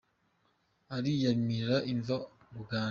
Ariyamirira imva-buganda